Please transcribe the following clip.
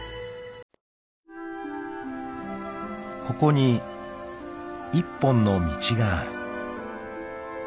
［ここに１本の道がある］